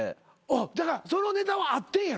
だからそのネタはあってんやろ？